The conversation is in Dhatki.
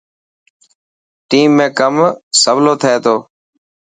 ٽيم ۾ ڪم سولو ٿي تو.